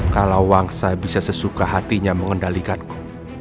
kalawangsa bisa sesuka hatinya mengendalikanku